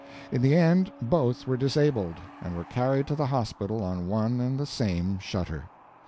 In the end both were disabled, and were carried to the hospital on one and the same shutter.